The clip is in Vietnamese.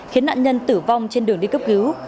khiến nạn nhân tử vong trên đường đi cấp cứu